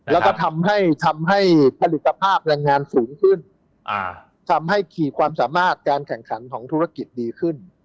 แล้วก็ทำให้ผลิตภาพแรงงานสูงขึ้นทำให้ขีดความสามารถการแข่งขันของธุรกิจดีขึ้น